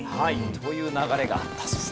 という流れがあったそうです。